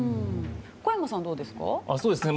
小山さん、どうですか？